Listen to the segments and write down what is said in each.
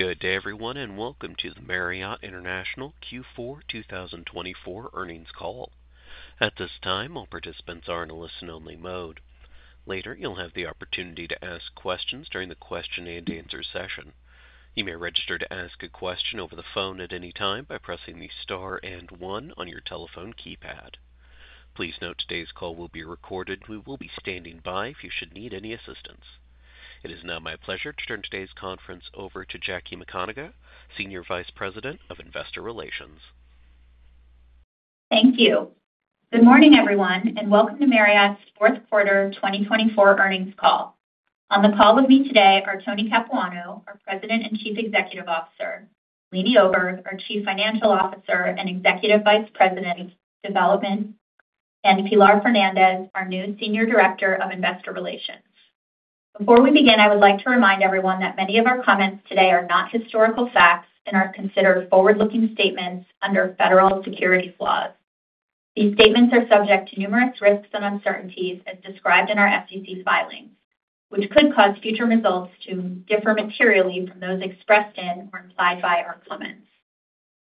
Good day, everyone, and welcome to the Marriott International Q4 2024 Earnings Call. At this time, all participants are in a listen-only mode. Later, you'll have the opportunity to ask questions during the question and answer session. You may register to ask a question over the phone at any time by pressing the star and one on your telephone keypad. Please note today's call will be recorded, and we will be standing by if you should need any assistance. It is now my pleasure to turn today's conference over to Jackie McConagha, Senior Vice President of Investor Relations. Thank you. Good morning, everyone, and welcome to Marriott's Fourth Quarter 2024 Earnings call. On the call with me today are Tony Capuano, our President and Chief Executive Officer; Leeny Oberg, our Chief Financial Officer and Executive Vice President of Development; and Pilar Fernandez, our new Senior Director of Investor Relations. Before we begin, I would like to remind everyone that many of our comments today are not historical facts and are considered forward-looking statements under federal securities laws. These statements are subject to numerous risks and uncertainties, as described in our SEC filings, which could cause future results to differ materially from those expressed in or implied by our comments.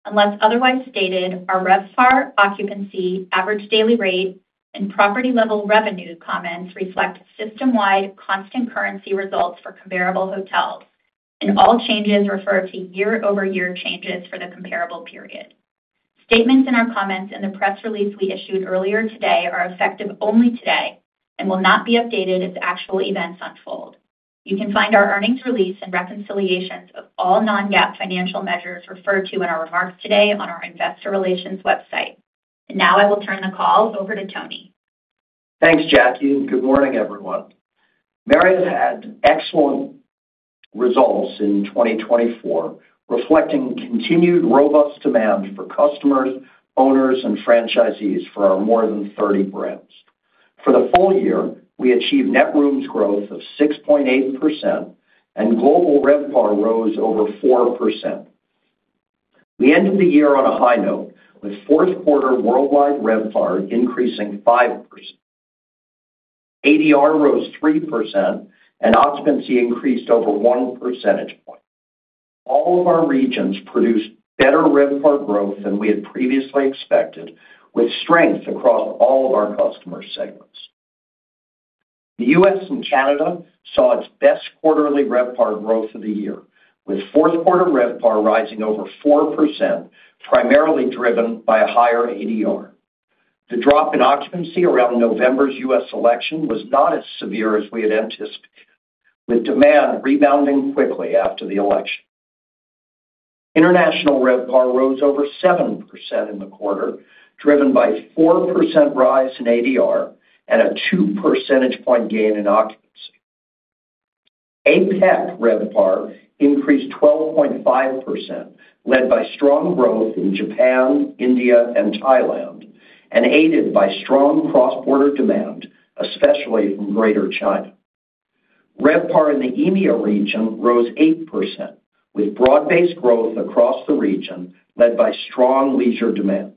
Unless otherwise stated, our RevPAR, Occupancy, Average Daily Rate, and Property Level Revenue comments reflect system-wide constant currency results for comparable hotels, and all changes refer to year-over-year changes for the comparable period. Statements in our comments and the press release we issued earlier today are effective only today and will not be updated as actual events unfold. You can find our earnings release and reconciliations of all non-GAAP financial measures referred to in our remarks today on our Investor Relations website, and now I will turn the call over to Tony. Thanks, Jackie. And good morning, everyone. Marriott had excellent results in 2024, reflecting continued robust demand for customers, owners, and franchisees for our more than 30 brands. For the full year, we achieved net rooms growth of 6.8%, and global RevPAR rose over 4%. We ended the year on a high note, with fourth quarter worldwide RevPAR increasing 5%. ADR rose 3%, and occupancy increased over one percentage point. All of our regions produced better RevPAR growth than we had previously expected, with strength across all of our customer segments. The U.S. and Canada saw its best quarterly RevPAR growth of the year, with fourth quarter RevPAR rising over 4%, primarily driven by a higher ADR. The drop in occupancy around November's U.S. election was not as severe as we had anticipated, with demand rebounding quickly after the election. International RevPAR rose over 7% in the quarter, driven by a 4% rise in ADR and a two percentage point gain in occupancy. APAC RevPAR increased 12.5%, led by strong growth in Japan, India, and Thailand, and aided by strong cross-border demand, especially from Greater China. RevPAR in the EMEA region rose 8%, with broad-based growth across the region, led by strong leisure demand.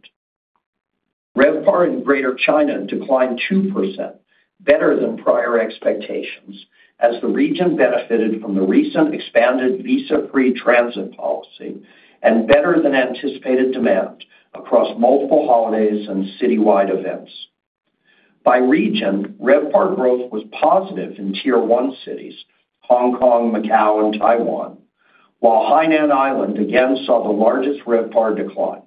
RevPAR in Greater China declined 2%, better than prior expectations, as the region benefited from the recent expanded visa-free transit policy and better than anticipated demand across multiple holidays and citywide events. By region, RevPAR growth was positive in Tier 1 cities: Hong Kong, Macau, and Taiwan, while Hainan Island again saw the largest RevPAR decline.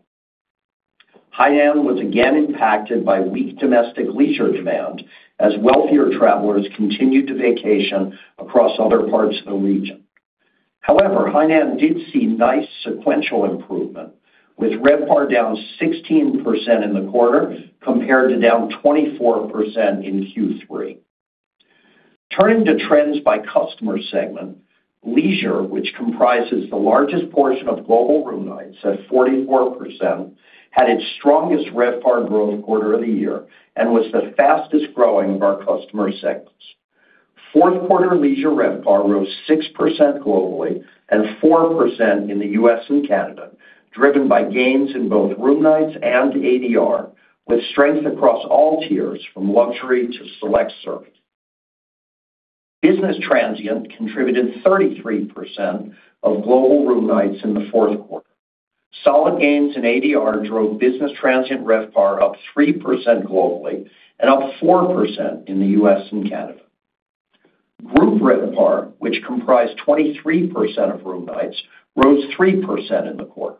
Hainan was again impacted by weak domestic leisure demand, as wealthier travelers continued to vacation across other parts of the region. However, Hainan did see nice sequential improvement, with RevPAR down 16% in the quarter compared to down 24% in Q3. Turning to trends by customer segment, leisure, which comprises the largest portion of global room nights at 44%, had its strongest RevPAR growth quarter of the year and was the fastest growing of our customer segments. Fourth quarter leisure RevPAR rose 6% globally and 4% in the U.S. and Canada, driven by gains in both room nights and ADR, with strength across all tiers from luxury to select service. Business transient contributed 33% of global room nights in the fourth quarter. Solid gains in ADR drove Business Transient RevPAR up 3% globally and up 4% in the U.S. and Canada. Group RevPAR, which comprised 23% of room nights, rose 3% in the quarter.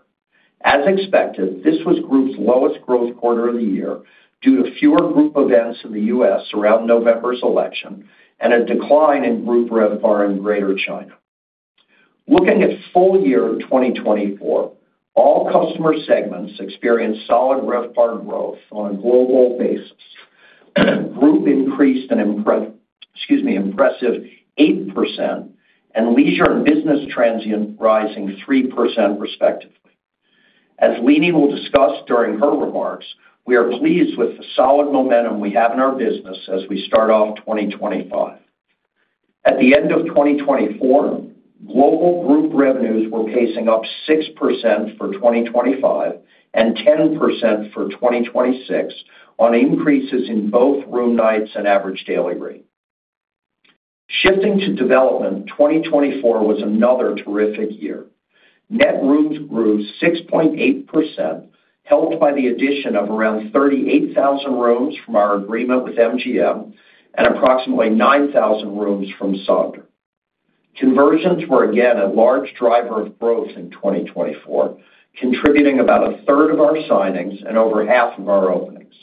As expected, this was group's lowest growth quarter of the year due to fewer group events in the U.S. around November's election and a decline in Group RevPAR in Greater China. Looking at full year 2024, all customer segments experienced solid RevPAR growth on a global basis. Group increased an impressive 8%, and leisure and business transient rising 3% respectively. As Leeny will discuss during her remarks, we are pleased with the solid momentum we have in our business as we start off 2025. At the end of 2024, global group revenues were pacing up 6% for 2025 and 10% for 2026 on increases in both room nights and average daily rate. Shifting to development, 2024 was another terrific year. Net rooms grew 6.8%, helped by the addition of around 38,000 rooms from our agreement with MGM and approximately 9,000 rooms from Sonder. Conversions were again a large driver of growth in 2024, contributing about a third of our signings and over half of our openings.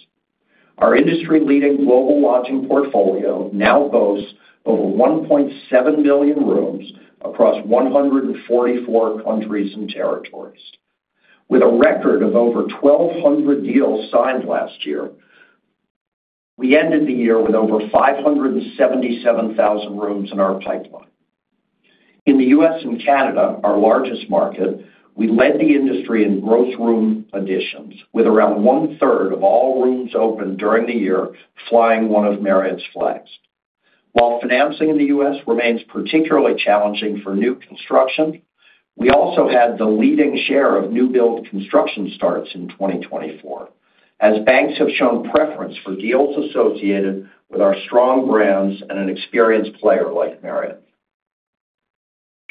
Our industry-leading global lodging portfolio now boasts over 1.7 million rooms across 144 countries and territories. With a record of over 1,200 deals signed last year, we ended the year with over 577,000 rooms in our pipeline. In the U.S. and Canada, our largest market, we led the industry in gross room additions, with around one-third of all rooms opened during the year flying one of Marriott's flags. While financing in the U.S. remains particularly challenging for new construction, we also had the leading share of new-build construction starts in 2024, as banks have shown preference for deals associated with our strong brands and an experienced player like Marriott.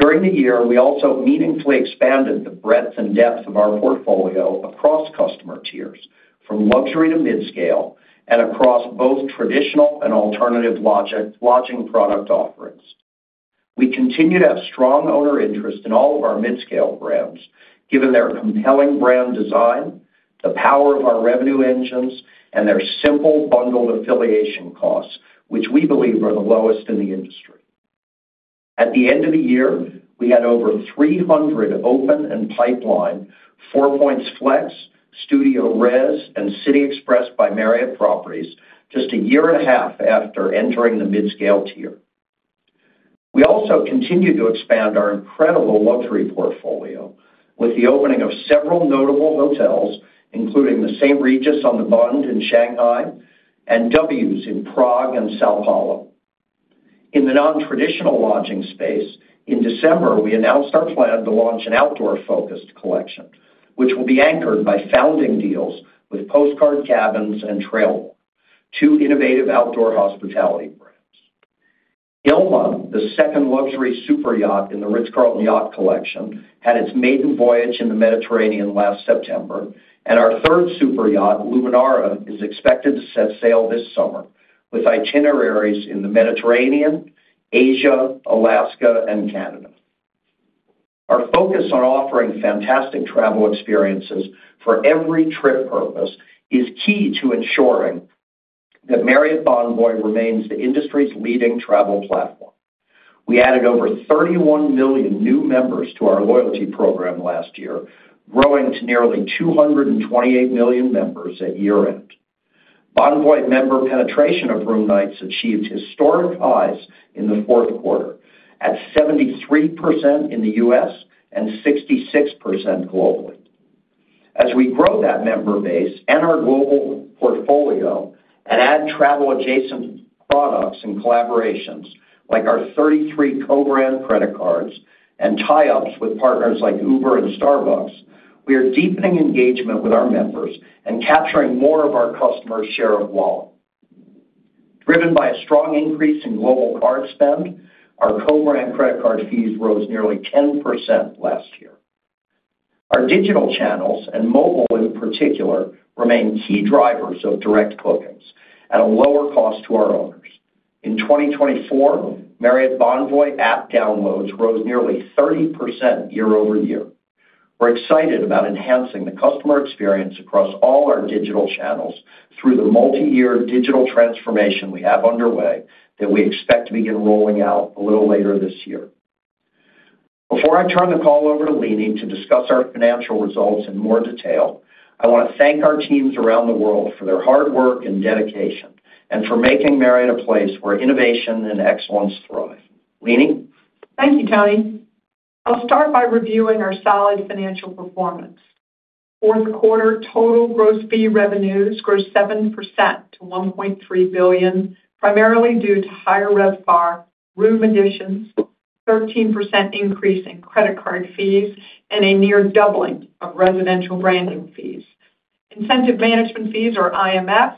During the year, we also meaningfully expanded the breadth and depth of our portfolio across customer tiers, from luxury to mid-scale, and across both traditional and alternative lodging product offerings. We continue to have strong owner interest in all of our mid-scale brands, given their compelling brand design, the power of our revenue engines, and their simple bundled affiliation costs, which we believe are the lowest in the industry. At the end of the year, we had over 300 open and pipeline Four Points Flex, StudioRes, and City Express by Marriott properties, just a year and a half after entering the mid-scale tier. We also continue to expand our incredible luxury portfolio with the opening of several notable hotels, including the St. Regis Shanghai on the Bund in Shanghai and W's in Prague and São Paulo. In the non-traditional lodging space, in December, we announced our plan to launch an outdoor-focused collection, which will be anchored by founding deals with Postcard Cabins and Trailborn, two innovative outdoor hospitality brands. Ilma, the second luxury superyacht in the Ritz-Carlton Yacht Collection, had its maiden voyage in the Mediterranean last September, and our third superyacht, Luminara, is expected to set sail this summer with itineraries in the Mediterranean, Asia, Alaska, and Canada. Our focus on offering fantastic travel experiences for every trip purpose is key to ensuring that Marriott Bonvoy remains the industry's leading travel platform. We added over 31 million new members to our loyalty program last year, growing to nearly 228 million members at year-end. Bonvoy member penetration of room nights achieved historic highs in the fourth quarter, at 73% in the U.S. and 66% globally. As we grow that member base and our global portfolio and add travel-adjacent products and collaborations like our 33 co-brand credit cards and tie-ups with partners like Uber and Starbucks, we are deepening engagement with our members and capturing more of our customer's share of wallet. Driven by a strong increase in global card spend, our co-brand credit card fees rose nearly 10% last year. Our digital channels, and mobile in particular, remain key drivers of direct bookings at a lower cost to our owners. In 2024, Marriott Bonvoy app downloads rose nearly 30% year-over-year. We're excited about enhancing the customer experience across all our digital channels through the multi-year digital transformation we have underway that we expect to begin rolling out a little later this year. Before I turn the call over to Leeny to discuss our financial results in more detail, I want to thank our teams around the world for their hard work and dedication, and for making Marriott a place where innovation and excellence thrive. Leeny? Thank you, Tony. I'll start by reviewing our solid financial performance. Fourth quarter total gross fee revenues grew 7% to $1.3 billion, primarily due to higher RevPAR, room additions, a 13% increase in credit card fees, and a near doubling of residential branding fees. Incentive management fees, or IMFs,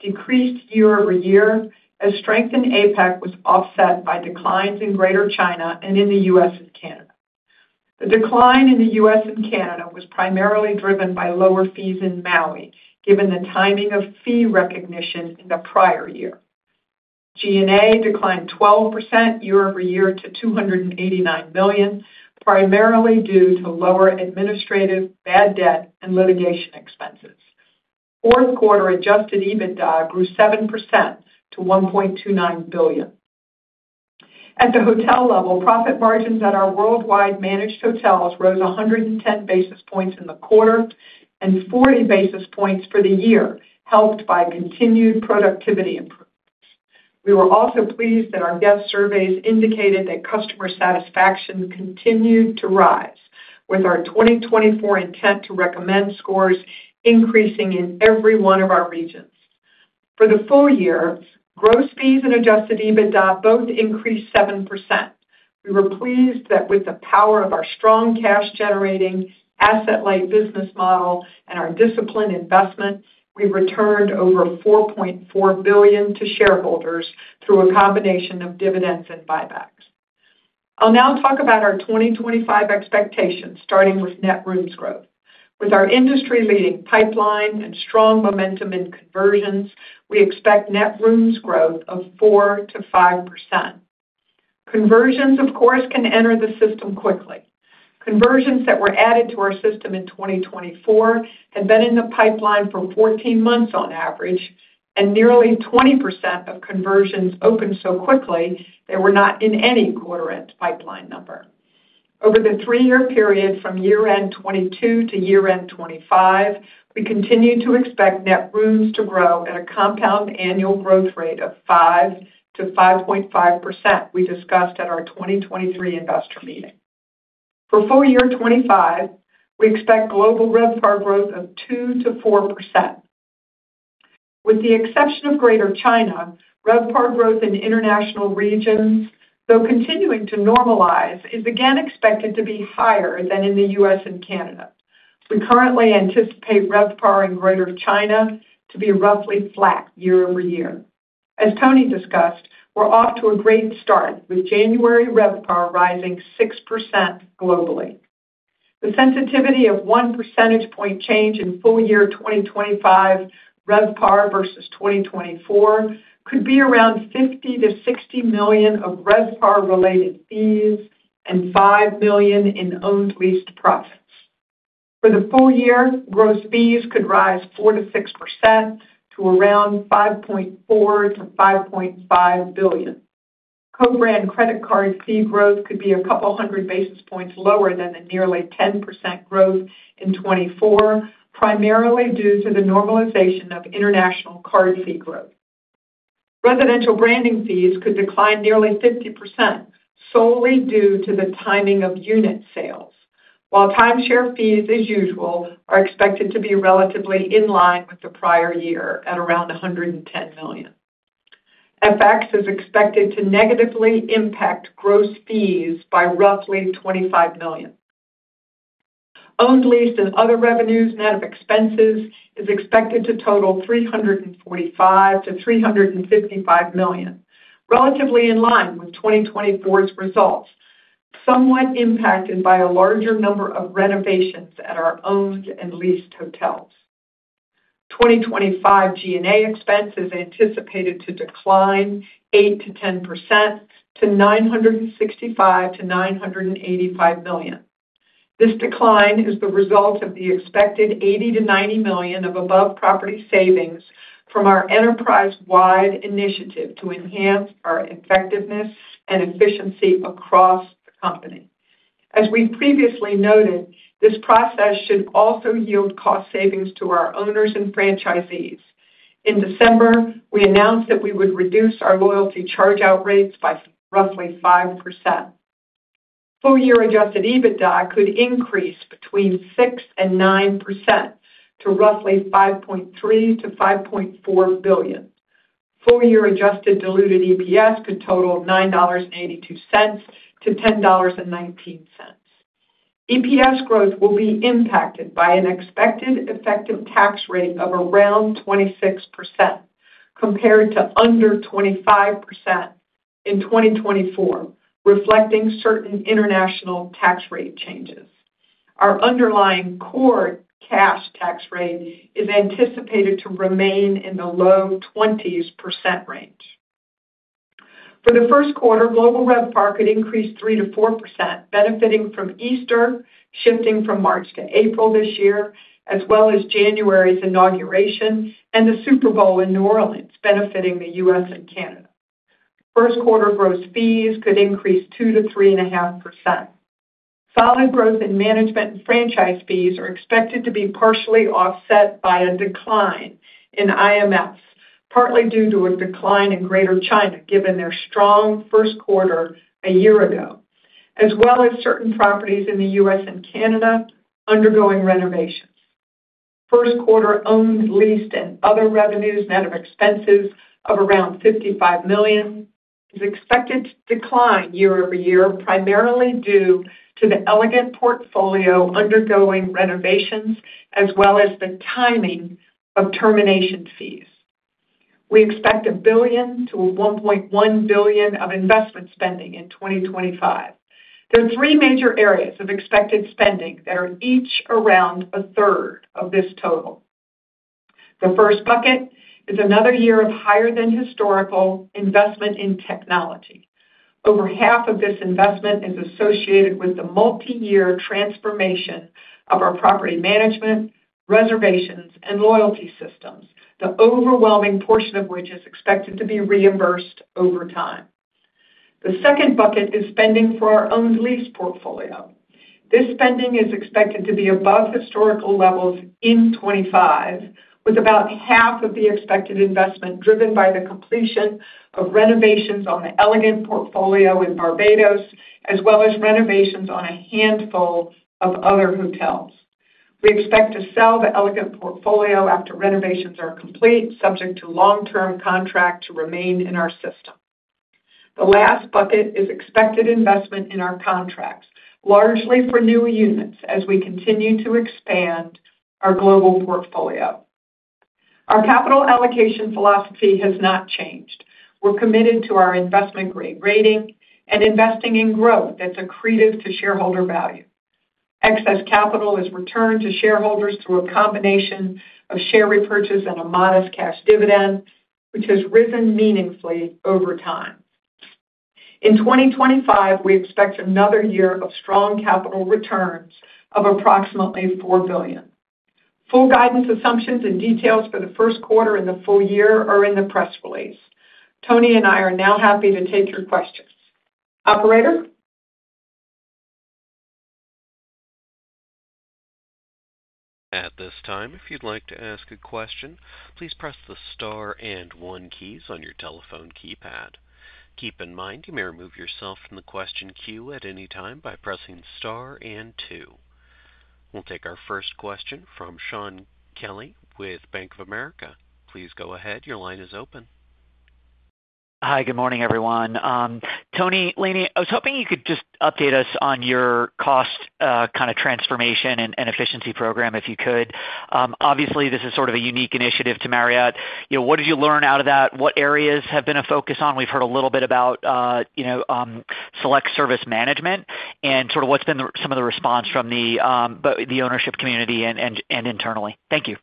decreased year-over-year, as strength in APAC was offset by declines in Greater China and in the U.S. and Canada. The decline in the U.S. and Canada was primarily driven by lower fees in Maui, given the timing of fee recognition in the prior year. G&A declined 12% year-over-year to $289 million, primarily due to lower administrative bad debt and litigation expenses. Fourth quarter adjusted EBITDA grew 7% to $1.29 billion. At the hotel level, profit margins at our worldwide managed hotels rose 110 basis points in the quarter and 40 basis points for the year, helped by continued productivity improvements. We were also pleased that our guest surveys indicated that customer satisfaction continued to rise, with our 2024 intent to recommend scores increasing in every one of our regions. For the full year, gross fees and Adjusted EBITDA both increased 7%. We were pleased that with the power of our strong cash-generating, asset-light business model and our disciplined investment, we returned over $4.4 billion to shareholders through a combination of dividends and buybacks. I'll now talk about our 2025 expectations, starting with net rooms growth. With our industry-leading pipeline and strong momentum in conversions, we expect net rooms growth of 4%-5%. Conversions, of course, can enter the system quickly. Conversions that were added to our system in 2024 had been in the pipeline for 14 months on average, and nearly 20% of conversions opened so quickly they were not in any quarter-end pipeline number. Over the three-year period from year-end 2022 to year-end 2025, we continue to expect net rooms to grow at a compound annual growth rate of 5%-5.5%, we discussed at our 2023 investor meeting. For full year 2025, we expect global RevPAR growth of 2%-4%. With the exception of Greater China, RevPAR growth in international regions, though continuing to normalize, is again expected to be higher than in the U.S. and Canada. We currently anticipate RevPAR in Greater China to be roughly flat year-over-year. As Tony discussed, we're off to a great start, with January RevPAR rising 6% globally. The sensitivity of one percentage point change in full year 2025 RevPAR versus 2024 could be around $50 million-$60 million of RevPAR-related fees and $5 million in owned leased profits. For the full year, gross fees could rise 4%-6% to around $5.4 billion-$5.5 billion. Co-brand credit card fee growth could be a couple hundred basis points lower than the nearly 10% growth in 2024, primarily due to the normalization of international card fee growth. Residential branding fees could decline nearly 50% solely due to the timing of unit sales, while timeshare fees, as usual, are expected to be relatively in line with the prior year at around $110 million. FX is expected to negatively impact gross fees by roughly $25 million. Owned lease and other revenues net of expenses is expected to total $345 million-$355 million, relatively in line with 2024's results, somewhat impacted by a larger number of renovations at our owned and leased hotels. 2025 G&A expenses anticipated to decline 8%-10% to $965 million-$985 million. This decline is the result of the expected $80 million-$90 million of above-property savings from our enterprise-wide initiative to enhance our effectiveness and efficiency across the company. As we've previously noted, this process should also yield cost savings to our owners and franchisees. In December, we announced that we would reduce our loyalty charge-out rates by roughly 5%. Full year Adjusted EBITDA could increase between 6%-9% to roughly $5.3 billion-$5.4 billion. Full year Adjusted diluted EPS could total $9.82-$10.19. EPS growth will be impacted by an expected effective tax rate of around 26%, compared to under 25% in 2024, reflecting certain international tax rate changes. Our underlying core cash tax rate is anticipated to remain in the low 20% range. For the first quarter, global RevPAR could increase 3%-4%, benefiting from Easter, shifting from March to April this year, as well as January's inauguration and the Super Bowl in New Orleans, benefiting the U.S. and Canada. First quarter gross fees could increase 2%-3.5%. Solid growth in management and franchise fees are expected to be partially offset by a decline in IMFs, partly due to a decline in Greater China, given their strong first quarter a year ago, as well as certain properties in the U.S. and Canada undergoing renovations. First quarter owned leased and other revenues net of expenses of around $55 million is expected to decline year-over-year, primarily due to the Elegant Portfolio undergoing renovations, as well as the timing of termination fees. We expect $1 billion-$1.1 billion of investment spending in 2025. There are three major areas of expected spending that are each around a third of this total. The first bucket is another year of higher-than-historical investment in technology. Over half of this investment is associated with the multi-year transformation of our property management, reservations, and loyalty systems, the overwhelming portion of which is expected to be reimbursed over time. The second bucket is spending for our owned lease portfolio. This spending is expected to be above historical levels in 2025, with about half of the expected investment driven by the completion of renovations on the Elegant portfolio in Barbados, as well as renovations on a handful of other hotels. We expect to sell the Elegant portfolio after renovations are complete, subject to long-term contract to remain in our system. The last bucket is expected investment in our contracts, largely for new units, as we continue to expand our global portfolio. Our capital allocation philosophy has not changed. We're committed to our investment-grade rating and investing in growth that's accretive to shareholder value. Excess capital is returned to shareholders through a combination of share repurchase and a modest cash dividend, which has risen meaningfully over time. In 2025, we expect another year of strong capital returns of approximately $4 billion. Full guidance assumptions and details for the first quarter and the full year are in the press release. Tony and I are now happy to take your questions. Operator? At this time, if you'd like to ask a question, please press the star and one keys on your telephone keypad. Keep in mind, you may remove yourself from the question queue at any time by pressing star and two. We'll take our first question from Shaun Kelley with Bank of America. Please go ahead. Your line is open. Hi, good morning, everyone. Tony, Leeny, I was hoping you could just update us on your cost kind of transformation and efficiency program, if you could. Obviously, this is sort of a unique initiative to Marriott. What did you learn out of that? What areas have been a focus on? We've heard a little bit about select service management and sort of what's been some of the response from the ownership community and internally. Thank you.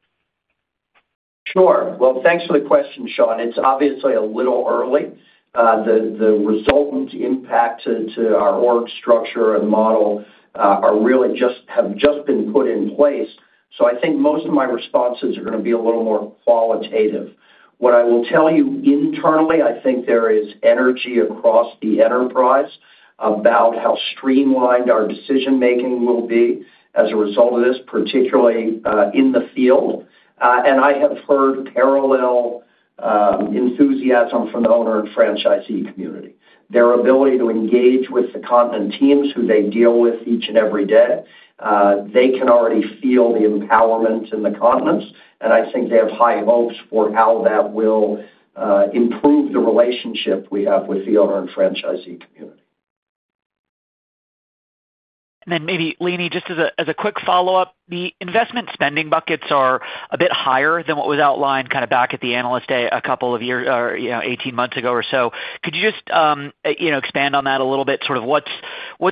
Sure. Well, thanks for the question, Shaun. It's obviously a little early. The resultant impact to our org structure and model have just been put in place. So I think most of my responses are going to be a little more qualitative. What I will tell you internally, I think there is energy across the enterprise about how streamlined our decision-making will be as a result of this, particularly in the field. And I have heard parallel enthusiasm from the owner and franchisee community. Their ability to engage with the continent teams who they deal with each and every day, they can already feel the empowerment in the continents. And I think they have high hopes for how that will improve the relationship we have with the owner and franchisee community. And then maybe, Leeny, just as a quick follow-up, the investment spending buckets are a bit higher than what was outlined kind of back at the analyst day a couple of years or 18 months ago or so. Could you just expand on that a little bit? Sort of what's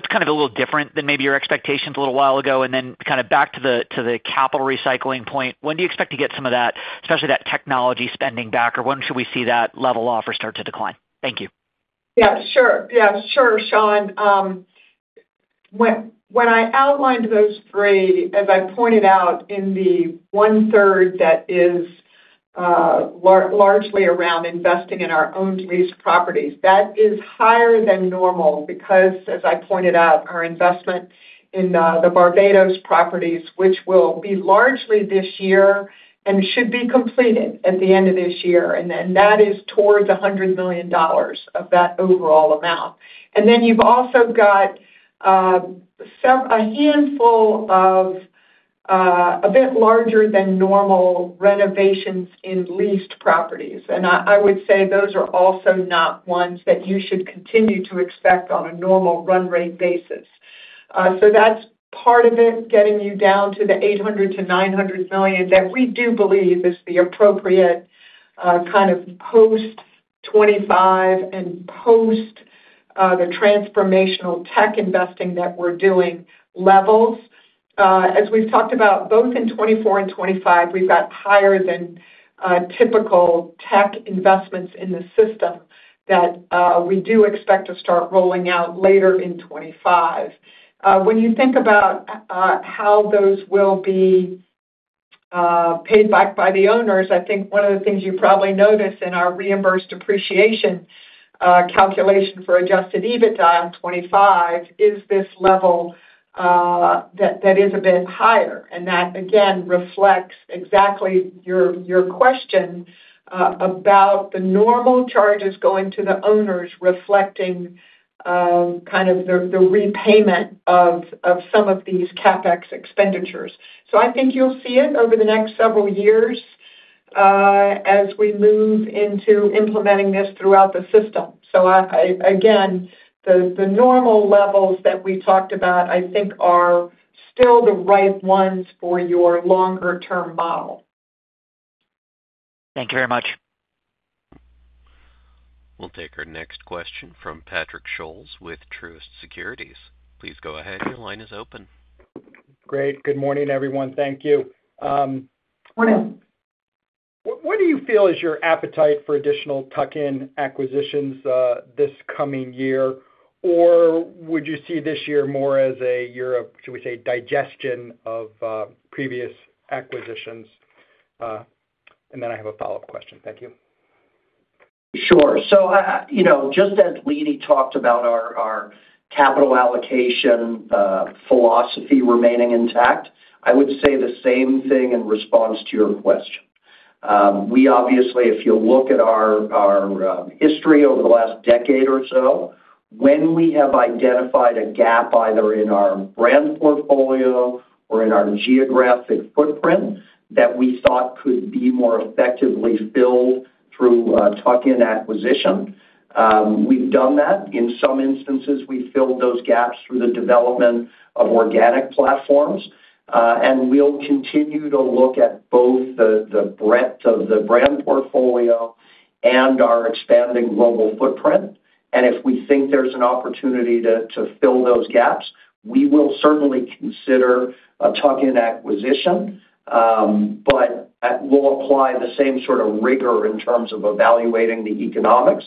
kind of a little different than maybe your expectations a little while ago? And then kind of back to the capital recycling point, when do you expect to get some of that, especially that technology spending back? Or when should we see that level off or start to decline? Thank you. Yeah, sure. Yeah, sure, Sean. When I outlined those three, as I pointed out in the one-third that is largely around investing in our owned leased properties, that is higher than normal because, as I pointed out, our investment in the Barbados properties, which will be largely this year and should be completed at the end of this year. And then that is towards $100 million of that overall amount. And then you've also got a handful of a bit larger-than-normal renovations in leased properties. And I would say those are also not ones that you should continue to expect on a normal run-rate basis. So that's part of it, getting you down to the $800 million-$900 million that we do believe is the appropriate kind of post 2025 and post the transformational tech investing that we're doing levels. As we've talked about, both in 2024 and 2025, we've got higher-than-typical tech investments in the system that we do expect to start rolling out later in 2025. When you think about how those will be paid back by the owners, I think one of the things you probably notice in our reimbursed depreciation calculation for Adjusted EBITDA in 2025 is this level that is a bit higher. And that, again, reflects exactly your question about the normal charges going to the owners reflecting kind of the repayment of some of these CapEx expenditures. So I think you'll see it over the next several years as we move into implementing this throughout the system. So again, the normal levels that we talked about, I think, are still the right ones for your longer-term model. Thank you very much. We'll take our next question from Patrick Scholes with Truist Securities. Please go ahead. Your line is open. Great. Good morning, everyone. Thank you. Morning. What do you feel is your appetite for additional tuck-in acquisitions this coming year? Or would you see this year more as a year of, should we say, digestion of previous acquisitions? And then I have a follow-up question. Thank you. Sure, so just as Leeny talked about, our capital allocation philosophy remaining intact, I would say the same thing in response to your question. We, obviously, if you look at our history over the last decade or so, when we have identified a gap either in our brand portfolio or in our geographic footprint that we thought could be more effectively filled through tuck-in acquisition, we've done that. In some instances, we've filled those gaps through the development of organic platforms, and we'll continue to look at both the breadth of the brand portfolio and our expanding global footprint. If we think there's an opportunity to fill those gaps, we will certainly consider tuck-in acquisition, but we'll apply the same sort of rigor in terms of evaluating the economics.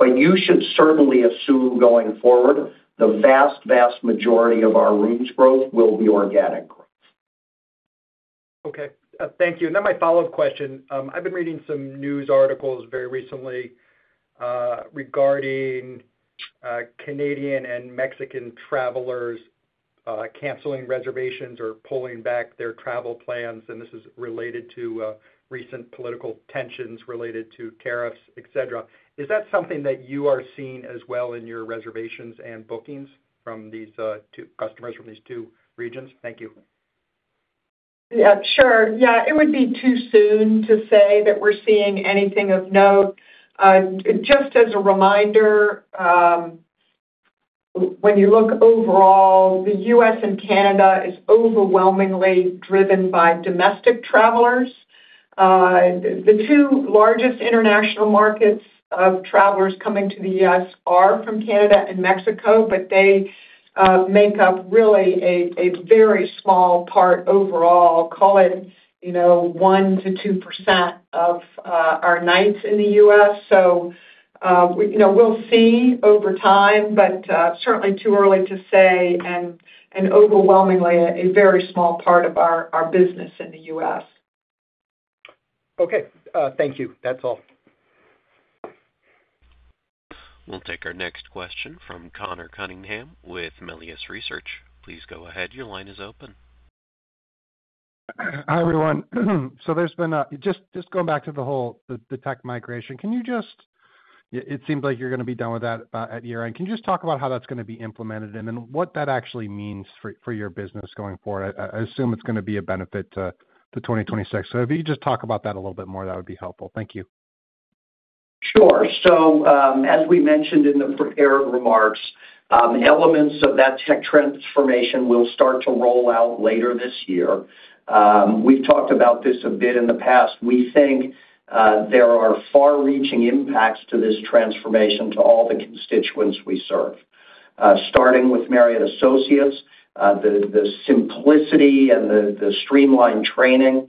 You should certainly assume going forward, the vast, vast majority of our rooms growth will be organic growth. Okay. Thank you. And then my follow-up question. I've been reading some news articles very recently regarding Canadian and Mexican travelers canceling reservations or pulling back their travel plans. And this is related to recent political tensions related to tariffs, etc. Is that something that you are seeing as well in your reservations and bookings from these two customers from these two regions? Thank you. Sure. Yeah. It would be too soon to say that we're seeing anything of note. Just as a reminder, when you look overall, the U.S. and Canada is overwhelmingly driven by domestic travelers. The two largest international markets of travelers coming to the U.S. are from Canada and Mexico, but they make up really a very small part overall, call it 1%-2% of our nights in the U.S. So we'll see over time, but certainly too early to say, and overwhelmingly a very small part of our business in the U.S. Okay. Thank you. That's all. We'll take our next question from Conor Cunningham with Melius Research. Please go ahead. Your line is open. Hi, everyone. So, just going back to the whole tech migration, it seems like you're going to be done with that at year-end. Can you just talk about how that's going to be implemented and then what that actually means for your business going forward? I assume it's going to be a benefit to 2026. So if you could just talk about that a little bit more, that would be helpful. Thank you. Sure. So as we mentioned in the prepared remarks, elements of that tech transformation will start to roll out later this year. We've talked about this a bit in the past. We think there are far-reaching impacts to this transformation to all the constituents we serve. Starting with Marriott Associates, the simplicity and the streamlined training,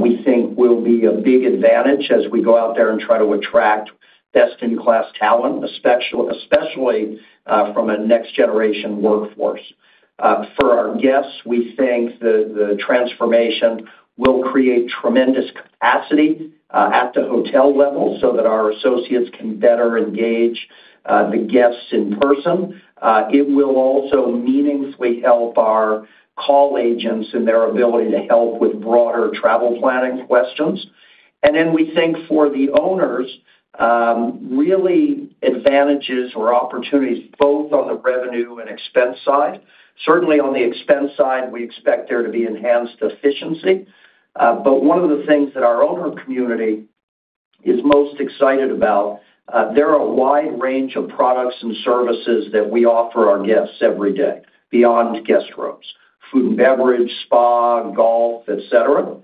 we think will be a big advantage as we go out there and try to attract best-in-class talent, especially from a next-generation workforce. For our guests, we think the transformation will create tremendous capacity at the hotel level so that our associates can better engage the guests in person. It will also meaningfully help our call agents in their ability to help with broader travel planning questions. And then we think for the owners, really advantages or opportunities both on the revenue and expense side. Certainly on the expense side, we expect there to be enhanced efficiency. But one of the things that our owner community is most excited about, there are a wide range of products and services that we offer our guests every day beyond guest rooms, food and beverage, spa, golf, etc.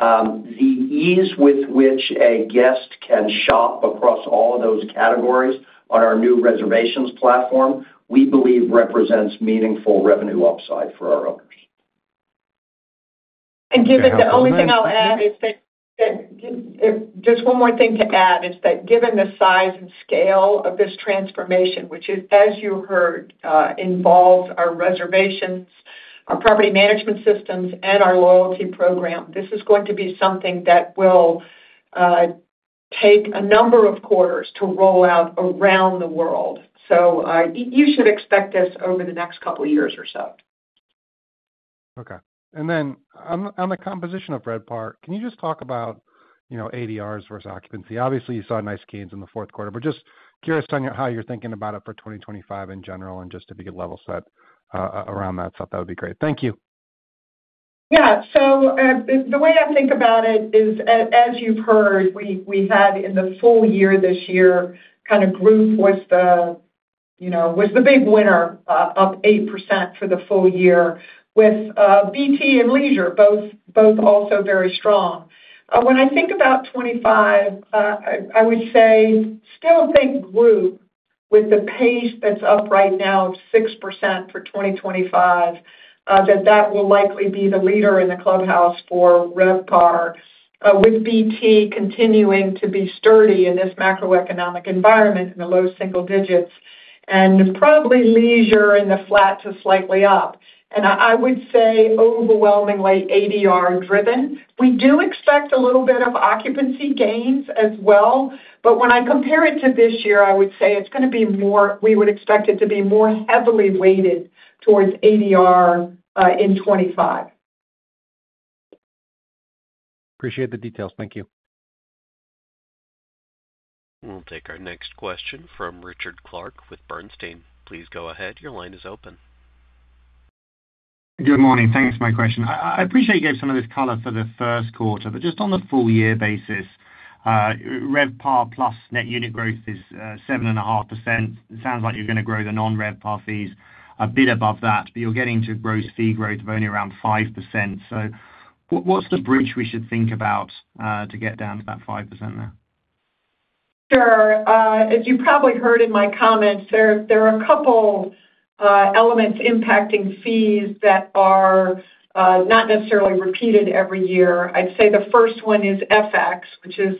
The ease with which a guest can shop across all of those categories on our new reservations platform, we believe, represents meaningful revenue upside for our owners. David, the only thing I'll add is that just one more thing to add is that given the size and scale of this transformation, which is, as you heard, involves our reservations, our property management systems, and our loyalty program, this is going to be something that will take a number of quarters to roll out around the world. You should expect this over the next couple of years or so. Okay. And then on the composition of RevPAR, can you just talk about ADRs versus occupancy? Obviously, you saw nice gains in the fourth quarter, but just curious on how you're thinking about it for 2025 in general and just to be a level set around that stuff. That would be great. Thank you. Yeah. So the way I think about it is, as you've heard, we had in the full year this year kind of group was the big winner up 8% for the full year with BT and Leisure, both also very strong. When I think about 2025, I would say still think group with the pace that's up right now of 6% for 2025, that will likely be the leader in the clubhouse for RevPAR, with BT continuing to be sturdy in this macroeconomic environment in the low single digits, and probably Leisure in the flat to slightly up. And I would say overwhelmingly ADR-driven. We do expect a little bit of occupancy gains as well. But when I compare it to this year, I would say it's going to be more we would expect it to be more heavily weighted towards ADR in 2025. Appreciate the details. Thank you. We'll take our next question from Richard Clarke with Bernstein. Please go ahead. Your line is open. Good morning. Thanks for my question. I appreciate you gave some of this color for the first quarter, but just on the full-year basis, RevPAR plus net unit growth is 7.5%. It sounds like you're going to grow the non-RevPAR fees a bit above that, but you're getting to gross fee growth of only around 5%. So what's the bridge we should think about to get down to that 5% now? Sure. As you probably heard in my comments, there are a couple elements impacting fees that are not necessarily repeated every year. I'd say the first one is FX, which is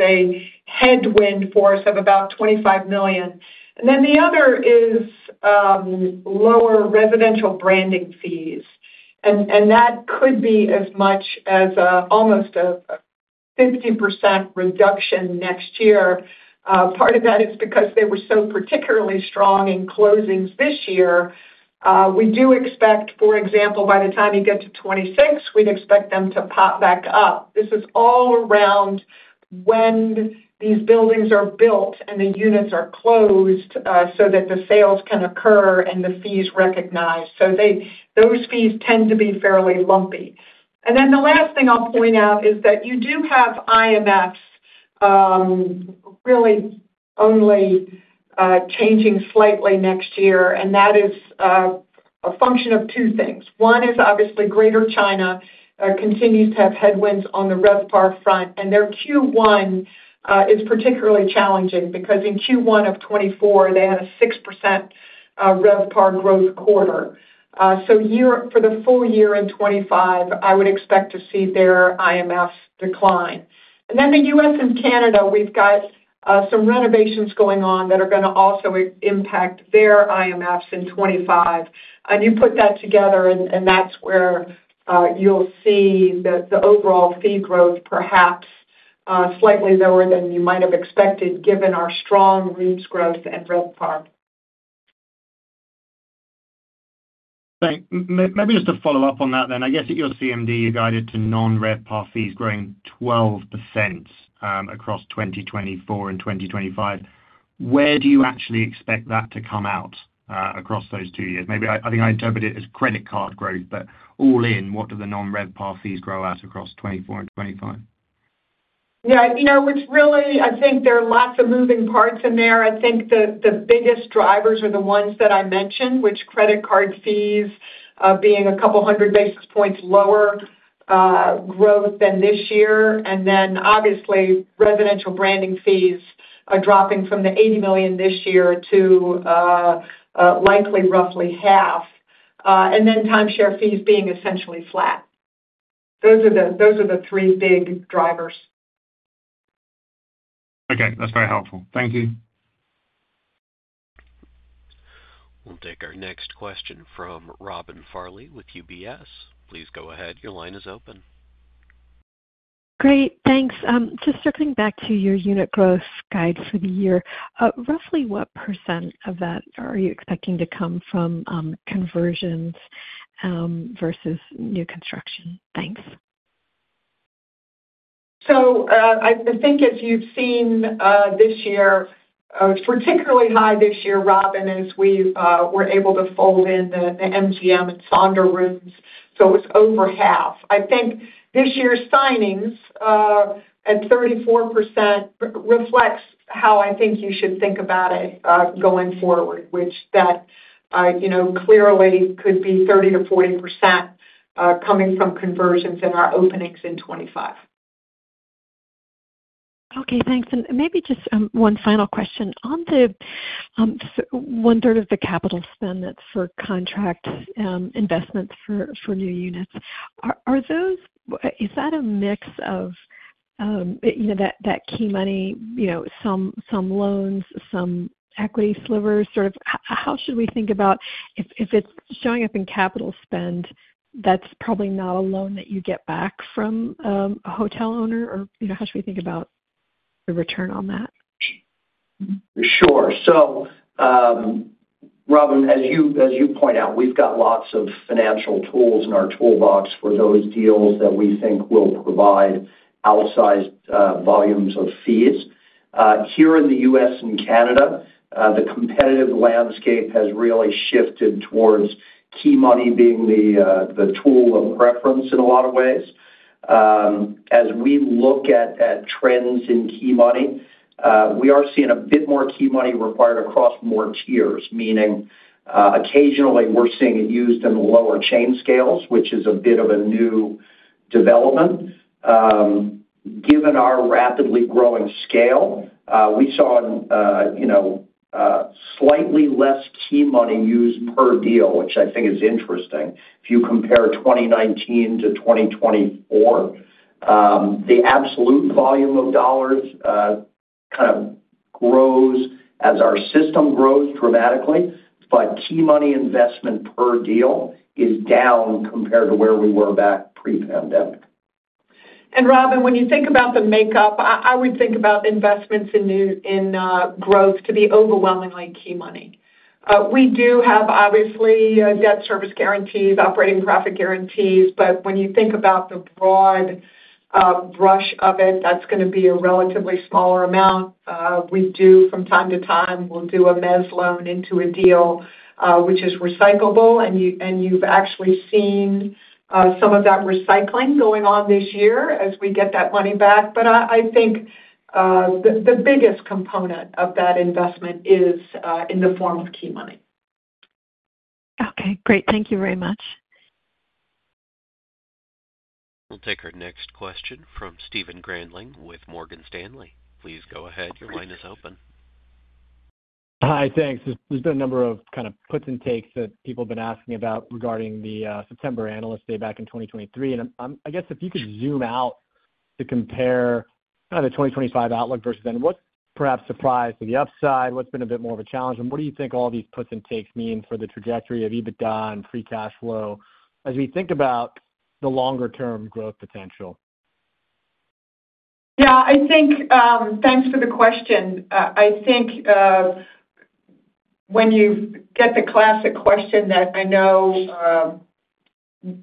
a headwind force of about $25 million. And then the other is lower residential branding fees. And that could be as much as almost a 50% reduction next year. Part of that is because they were so particularly strong in closings this year. We do expect, for example, by the time you get to 2026, we'd expect them to pop back up. This is all around when these buildings are built and the units are closed so that the sales can occur and the fees recognized. So those fees tend to be fairly lumpy. And then the last thing I'll point out is that you do have IMFs really only changing slightly next year. And that is a function of two things. One is obviously Greater China continues to have headwinds on the RevPAR front. And their Q1 is particularly challenging because in Q1 of 2024, they had a 6% RevPAR growth quarter. So for the full year in 2025, I would expect to see their IMFs decline. And then the U.S. and Canada, we've got some renovations going on that are going to also impact their IMFs in 2025. And you put that together, and that's where you'll see the overall fee growth perhaps slightly lower than you might have expected given our strong rooms growth and RevPAR. Thanks. Maybe just to follow up on that then, I guess at your CMD, you guided to non-RevPAR fees growing 12% across 2024 and 2025. Where do you actually expect that to come out across those two years? Maybe I think I interpreted it as credit card growth, but all in, what do the non-RevPAR fees grow out across 2024 and 2025? Yeah. It's really, I think there are lots of moving parts in there. I think the biggest drivers are the ones that I mentioned, which credit card fees being a couple hundred basis points lower growth than this year. And then obviously, residential branding fees are dropping from the $80 million this year to likely roughly half. And then timeshare fees being essentially flat. Those are the three big drivers. Okay. That's very helpful. Thank you. We'll take our next question from Robin Farley with UBS. Please go ahead. Your line is open. Great. Thanks. Just circling back to your unit growth guide for the year, roughly what % of that are you expecting to come from conversions versus new construction? Thanks. So I think as you've seen this year, it was particularly high this year, Robin, as we were able to fold in the MGM and Sonder rooms. So it was over half. I think this year's signings at 34% reflects how I think you should think about it going forward, which that clearly could be 30%-40% coming from conversions in our openings in 2025. Okay. Thanks, and maybe just one final question. On the one-third of the capital spend that's for contract investments for new units, is that a mix of that key money, some loans, some equity slivers? Sort of how should we think about if it's showing up in capital spend? That's probably not a loan that you get back from a hotel owner? Or how should we think about the return on that? Sure. So Robin, as you point out, we've got lots of financial tools in our toolbox for those deals that we think will provide outsized volumes of fees. Here in the U.S. and Canada, the competitive landscape has really shifted towards key money being the tool of preference in a lot of ways. As we look at trends in key money, we are seeing a bit more key money required across more tiers, meaning occasionally we're seeing it used in lower chain scales, which is a bit of a new development. Given our rapidly growing scale, we saw slightly less key money used per deal, which I think is interesting. If you compare 2019 to 2024, the absolute volume of dollars kind of grows as our system grows dramatically, but key money investment per deal is down compared to where we were back pre-pandemic. Robin, when you think about the makeup, I would think about investments in growth to be overwhelmingly key money. We do have obviously debt service guarantees, operating profit guarantees, but when you think about the broad brush of it, that's going to be a relatively smaller amount. We do, from time to time, we'll do a mezz loan into a deal, which is recyclable. You've actually seen some of that recycling going on this year as we get that money back. But I think the biggest component of that investment is in the form of key money. Okay. Great. Thank you very much. We'll take our next question from Stephen Grambling with Morgan Stanley. Please go ahead. Your line is open. Hi. Thanks. There's been a number of kind of puts and takes that people have been asking about regarding the September analyst day back in 2023. And I guess if you could zoom out to compare kind of the 2025 outlook versus then, what's perhaps surprised to the upside? What's been a bit more of a challenge? And what do you think all these puts and takes mean for the trajectory of EBITDA and free cash flow as we think about the longer-term growth potential? Yeah. I think thanks for the question. I think when you get the classic question that I know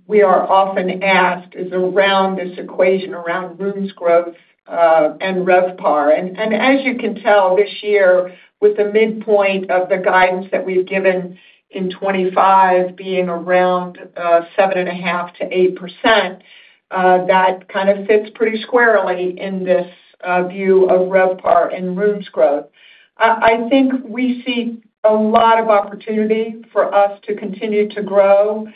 we are often asked is around this equation around rooms growth and RevPAR. And as you can tell this year with the midpoint of the guidance that we've given in 2025 being around 7.5%-8%, that kind of fits pretty squarely in this view of RevPAR and rooms growth. I think we see a lot of opportunity for us to continue to grow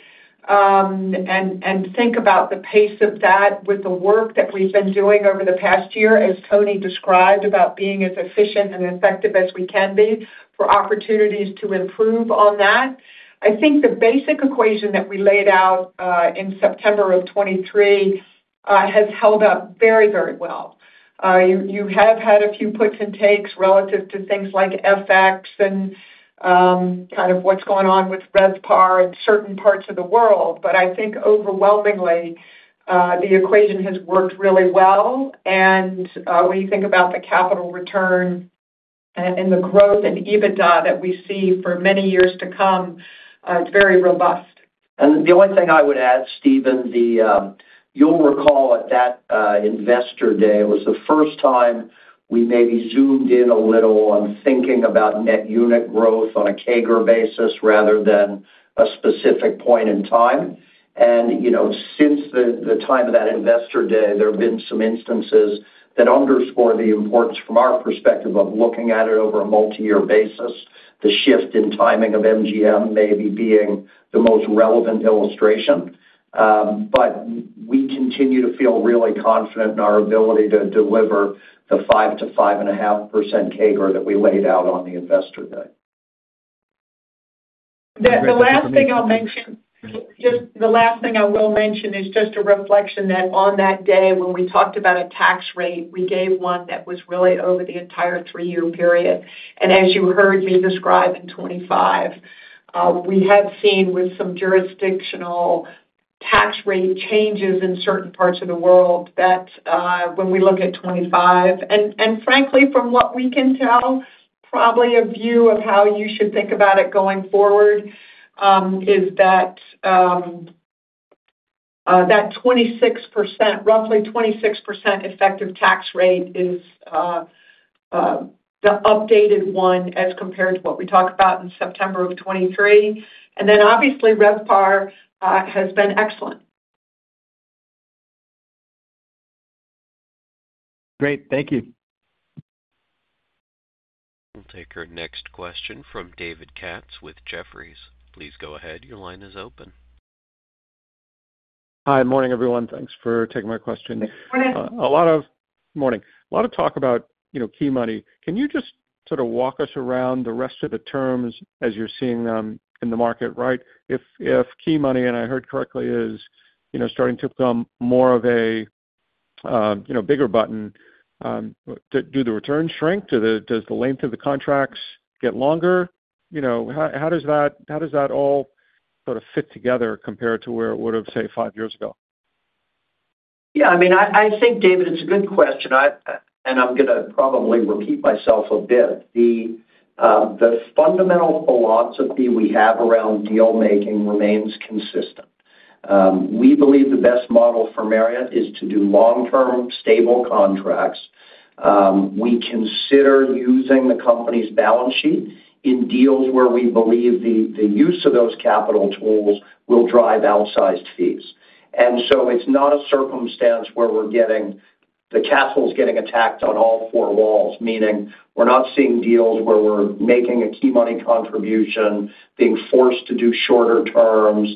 and think about the pace of that with the work that we've been doing over the past year, as Tony described about being as efficient and effective as we can be for opportunities to improve on that. I think the basic equation that we laid out in September of 2023 has held up very, very well. You have had a few puts and takes relative to things like FX and kind of what's going on with RevPAR in certain parts of the world. But I think overwhelmingly the equation has worked really well. And when you think about the capital return and the growth in EBITDA that we see for many years to come, it's very robust. The only thing I would add, Stephen, you'll recall at that investor day, it was the first time we maybe zoomed in a little on thinking about net unit growth on a CAGR basis rather than a specific point in time. Since the time of that investor day, there have been some instances that underscore the importance from our perspective of looking at it over a multi-year basis. The shift in timing of MGM maybe being the most relevant illustration. We continue to feel really confident in our ability to deliver the 5%-5.5% CAGR that we laid out on the investor day. The last thing I'll mention, just the last thing I will mention is just a reflection that on that day when we talked about a tax rate, we gave one that was really over the entire three-year period, and as you heard me describe in 2025, we have seen with some jurisdictional tax rate changes in certain parts of the world that when we look at 2025, and frankly, from what we can tell, probably a view of how you should think about it going forward is that that 26%, roughly 26% effective tax rate is the updated one as compared to what we talked about in September of 2023, and then obviously RevPAR has been excellent. Great. Thank you. We'll take our next question from David Katz with Jefferies. Please go ahead. Your line is open. Hi. Morning, everyone. Thanks for taking my question. Good morning. A lot this morning. A lot of talk about key money. Can you just sort of walk us through the rest of the terms as you're seeing them in the market, right? If key money, and I heard correctly, is starting to become more of a bigger burden, do the returns shrink? Does the length of the contracts get longer? How does that all sort of fit together compared to where it would have, say, five years ago? Yeah. I mean, I think, David, it's a good question. And I'm going to probably repeat myself a bit. The fundamental philosophy we have around deal-making remains consistent. We believe the best model for Marriott is to do long-term stable contracts. We consider using the company's balance sheet in deals where we believe the use of those capital tools will drive outsized fees. And so it's not a circumstance where we're getting the castle is getting attacked on all four walls, meaning we're not seeing deals where we're making a key money contribution, being forced to do shorter terms,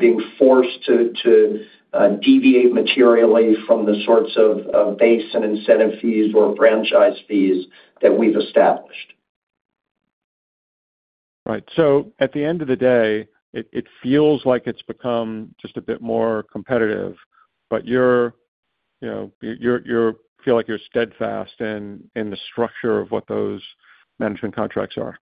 being forced to deviate materially from the sorts of base and incentive fees or franchise fees that we've established. Right. So at the end of the day, it feels like it's become just a bit more competitive, but you feel like you're steadfast in the structure of what those management contracts are?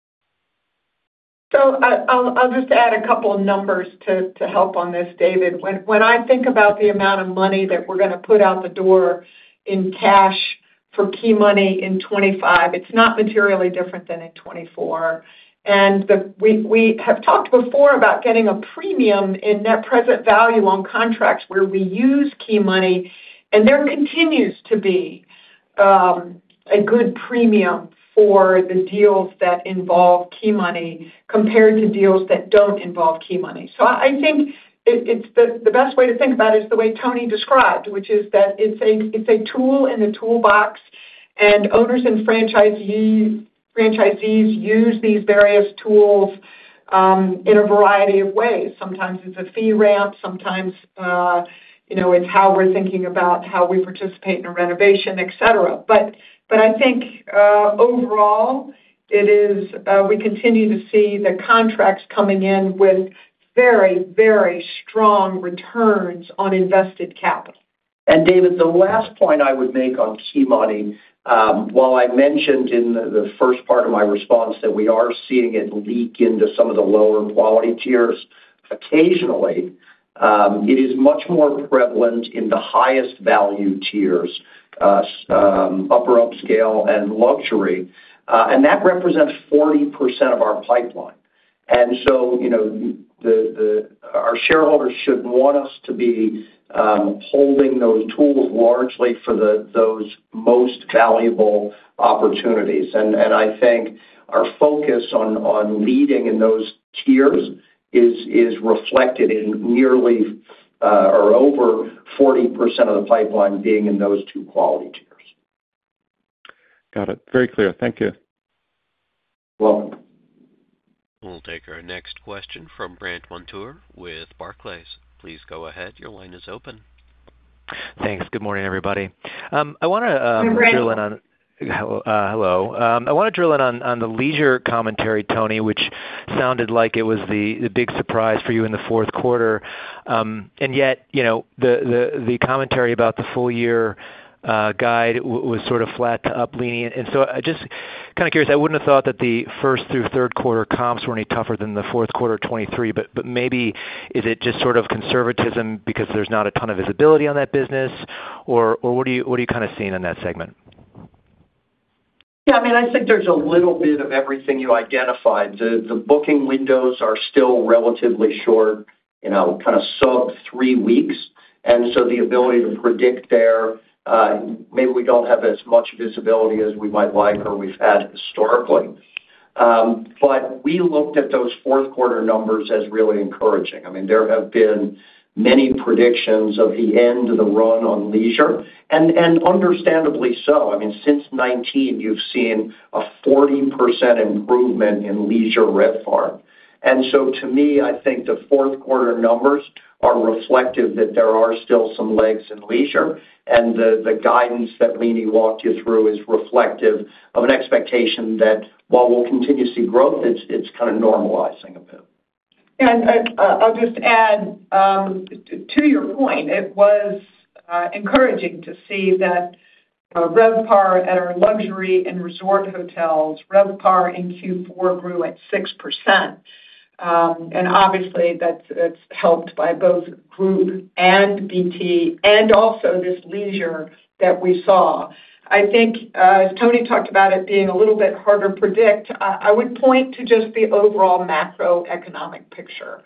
I'll just add a couple of numbers to help on this, David. When I think about the amount of money that we're going to put out the door in cash for key money in 2025, it's not materially different than in 2024. And we have talked before about getting a premium in net present value on contracts where we use key money, and there continues to be a good premium for the deals that involve key money compared to deals that don't involve key money. So I think the best way to think about it is the way Tony described, which is that it's a tool in the toolbox, and owners and franchisees use these various tools in a variety of ways. Sometimes it's a fee ramp. Sometimes it's how we're thinking about how we participate in a renovation, etc. But I think overall, we continue to see the contracts coming in with very, very strong returns on invested capital. And David, the last point I would make on key money, while I mentioned in the first part of my response that we are seeing it leak into some of the lower quality tiers, occasionally it is much more prevalent in the highest value tiers, upper upscale and luxury. And that represents 40% of our pipeline. And so our shareholders should want us to be holding those tools largely for those most valuable opportunities. And I think our focus on leading in those tiers is reflected in nearly or over 40% of the pipeline being in those two quality tiers. Got it. Very clear. Thank you. You're welcome. We'll take our next question from Brandt Montour with Barclays. Please go ahead. Your line is open. Thanks. Good morning, everybody. I want to. Good morning. I want to drill in on the leisure commentary, Tony, which sounded like it was the big surprise for you in the fourth quarter. And yet the commentary about the full-year guide was sort of flat to up-leaning. And so I'm just kind of curious. I wouldn't have thought that the first through third quarter comps were any tougher than the fourth quarter of 2023. But maybe is it just sort of conservatism because there's not a ton of visibility on that business? Or what are you kind of seeing in that segment? Yeah. I mean, I think there's a little bit of everything you identified. The booking windows are still relatively short, kind of sub three weeks. And so the ability to predict there, maybe we don't have as much visibility as we might like or we've had historically. But we looked at those fourth quarter numbers as really encouraging. I mean, there have been many predictions of the end of the run on leisure. And understandably so. I mean, since 2019, you've seen a 40% improvement in leisure RevPAR. And so to me, I think the fourth quarter numbers are reflective that there are still some legs in leisure. And the guidance that Leeny walked you through is reflective of an expectation that while we'll continue to see growth, it's kind of normalizing a bit. Yeah. I'll just add to your point. It was encouraging to see that RevPAR at our luxury and resort hotels, RevPAR in Q4 grew at 6%. And obviously, that's helped by both group and BT and also this leisure that we saw. I think as Tony talked about it being a little bit harder to predict, I would point to just the overall macroeconomic picture.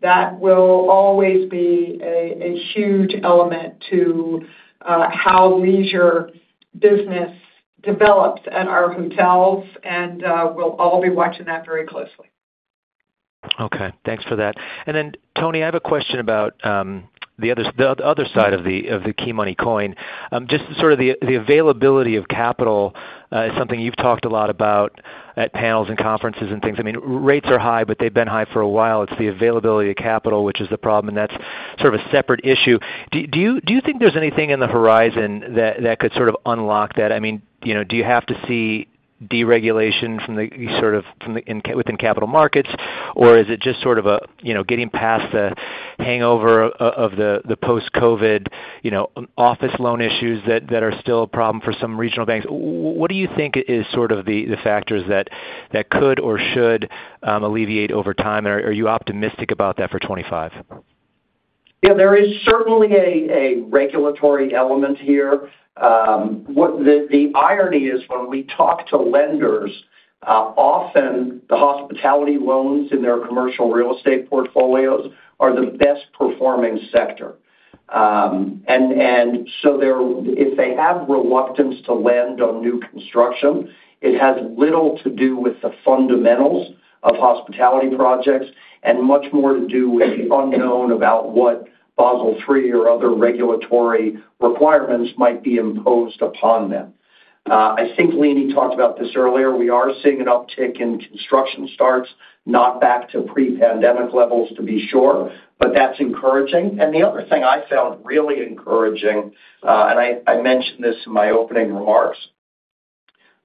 That will always be a huge element to how leisure business develops at our hotels. And we'll all be watching that very closely. Okay. Thanks for that. And then, Tony, I have a question about the other side of the key money coin. Just sort of the availability of capital is something you've talked a lot about at panels and conferences and things. I mean, rates are high, but they've been high for a while. It's the availability of capital, which is the problem. And that's sort of a separate issue. Do you think there's anything on the horizon that could sort of unlock that? I mean, do you have to see deregulation sort of within capital markets? Or is it just sort of getting past the hangover of the post-COVID office loan issues that are still a problem for some regional banks? What do you think is sort of the factors that could or should alleviate over time? And are you optimistic about that for 2025? Yeah. There is certainly a regulatory element here. The irony is when we talk to lenders, often the hospitality loans in their commercial real estate portfolios are the best-performing sector. And so if they have reluctance to lend on new construction, it has little to do with the fundamentals of hospitality projects and much more to do with the unknown about what Basel III or other regulatory requirements might be imposed upon them. I think Leeny talked about this earlier. We are seeing an uptick in construction starts, not back to pre-pandemic levels to be sure. But that's encouraging. And the other thing I found really encouraging, and I mentioned this in my opening remarks,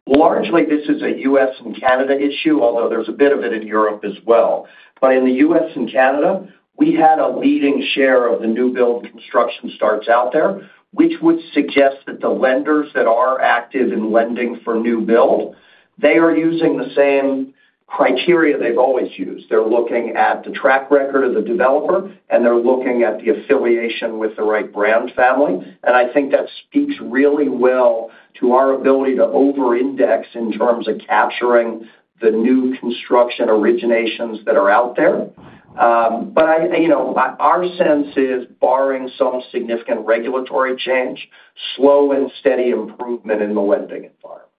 largely this is a U.S. and Canada issue, although there's a bit of it in Europe as well. But in the U.S. and Canada, we had a leading share of the new build construction starts out there, which would suggest that the lenders that are active in lending for new build, they are using the same criteria they've always used. They're looking at the track record of the developer, and they're looking at the affiliation with the right brand family. And I think that speaks really well to our ability to over-index in terms of capturing the new construction originations that are out there. But our sense is, barring some significant regulatory change, slow and steady improvement in the lending environment.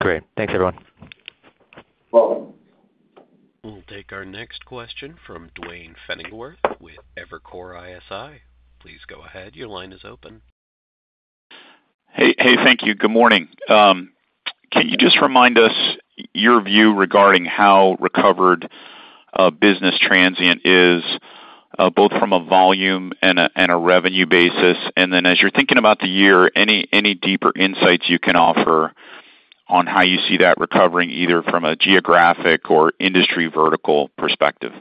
Great. Thanks, everyone. You're welcome. We'll take our next question from Duane Pfennigwerth with Evercore ISI. Please go ahead. Your line is open. Hey, thank you. Good morning. Can you just remind us your view regarding how recovered business transient is, both from a volume and a revenue basis? And then as you're thinking about the year, any deeper insights you can offer on how you see that recovering either from a geographic or industry vertical perspective?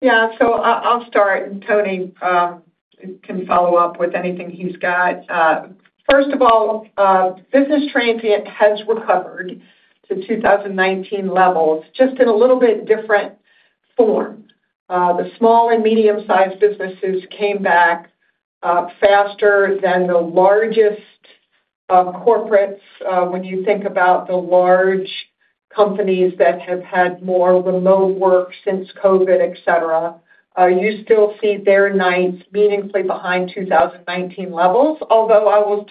Yeah. So I'll start, and Tony can follow up with anything he's got. First of all, business transient has recovered to 2019 levels, just in a little bit different form. The small and medium-sized businesses came back faster than the largest corporates. When you think about the large companies that have had more remote work since COVID, etc., you still see their nights meaningfully behind 2019 levels. Although I will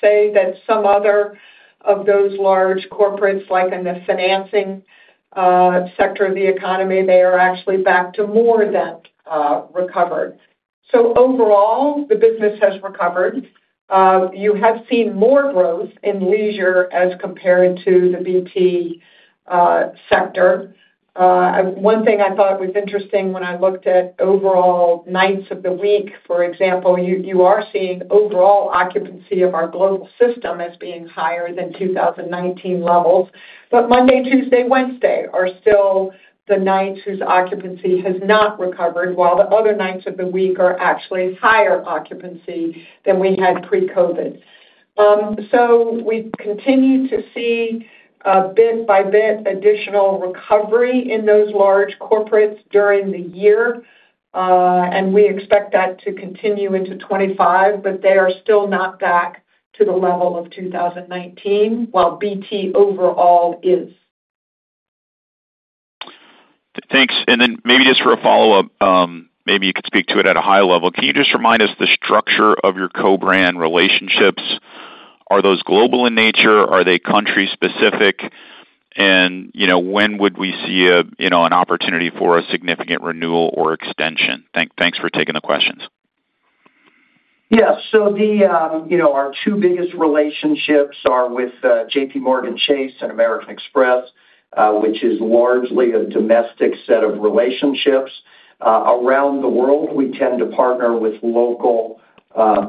say that some other of those large corporates, like in the financing sector of the economy, they are actually back to more than recovered. So overall, the business has recovered. You have seen more growth in leisure as compared to the BT sector. One thing I thought was interesting when I looked at overall nights of the week, for example, you are seeing overall occupancy of our global system as being higher than 2019 levels. But Monday, Tuesday, Wednesday are still the nights whose occupancy has not recovered, while the other nights of the week are actually higher occupancy than we had pre-COVID. So we continue to see bit by bit additional recovery in those large corporates during the year. And we expect that to continue into 2025, but they are still not back to the level of 2019, while BT overall is. Thanks. And then maybe just for a follow-up, maybe you could speak to it at a high level. Can you just remind us the structure of your co-brand relationships? Are those global in nature? Are they country-specific? And when would we see an opportunity for a significant renewal or extension? Thanks for taking the questions. Yeah. So our two biggest relationships are with JPMorgan Chase and American Express, which is largely a domestic set of relationships. Around the world, we tend to partner with local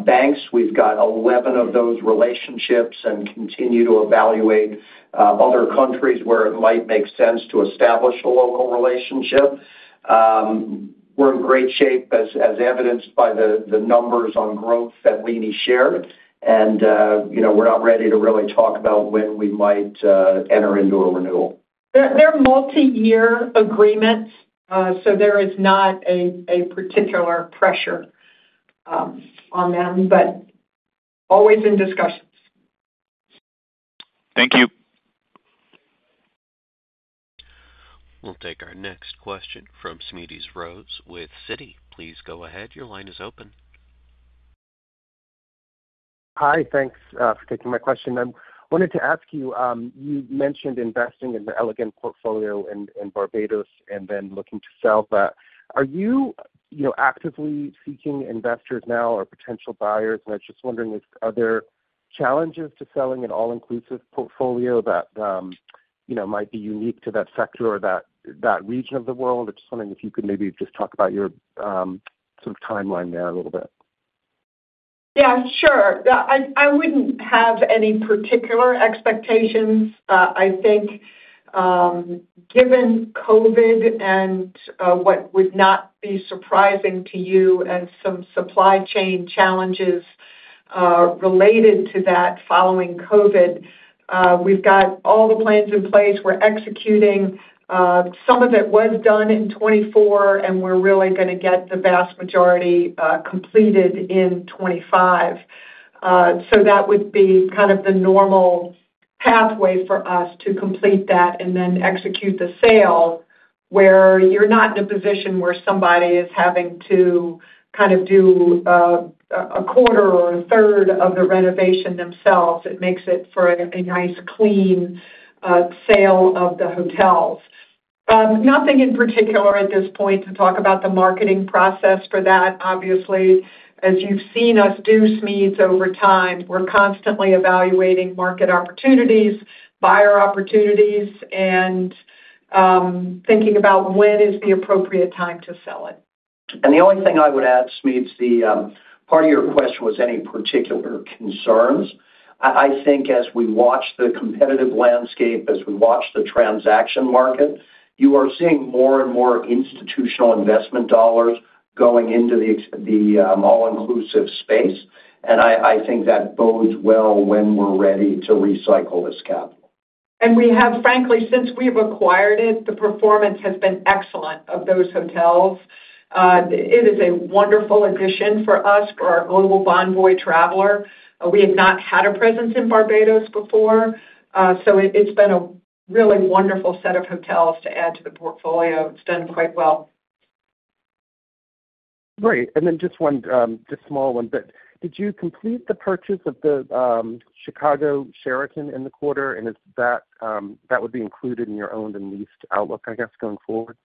banks. We've got 11 of those relationships and continue to evaluate other countries where it might make sense to establish a local relationship. We're in great shape, as evidenced by the numbers on growth that Leeny shared. And we're not ready to really talk about when we might enter into a renewal. They're multi-year agreements, so there is not a particular pressure on them, but always in discussions. Thank you. We'll take our next question from Smedes Rose with Citi. Please go ahead. Your line is open. Hi. Thanks for taking my question. I wanted to ask you, you mentioned investing in the Elegant portfolio and Barbados and then looking to sell that. Are you actively seeking investors now or potential buyers? And I was just wondering, are there challenges to selling an all-inclusive portfolio that might be unique to that sector or that region of the world? I was just wondering if you could maybe just talk about your sort of timeline there a little bit. Yeah. Sure. I wouldn't have any particular expectations. I think given COVID and what would not be surprising to you and some supply chain challenges related to that following COVID, we've got all the plans in place. We're executing. Some of it was done in 2024, and we're really going to get the vast majority completed in 2025. So that would be kind of the normal pathway for us to complete that and then execute the sale, where you're not in a position where somebody is having to kind of do a quarter or a third of the renovation themselves. It makes it for a nice clean sale of the hotels. Nothing in particular at this point to talk about the marketing process for that. Obviously, as you've seen us do, Smedes, over time, we're constantly evaluating market opportunities, buyer opportunities, and thinking about when is the appropriate time to sell it. And the only thing I would add, Smedes, part of your question was any particular concerns. I think as we watch the competitive landscape, as we watch the transaction market, you are seeing more and more institutional investment dollars going into the all-inclusive space. And I think that bodes well when we're ready to recycle this capital. We have, frankly, since we've acquired it, the performance has been excellent of those hotels. It is a wonderful addition for us, for our global Bonvoy traveler. We have not had a presence in Barbados before. It's been a really wonderful set of hotels to add to the portfolio. It's done quite well. Great. And then just one small one. Did you complete the purchase of the Sheraton Chicago in the quarter? And if that would be included in your owned and leased outlook, I guess, going forward?